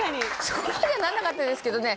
そこまではならなかったですけどね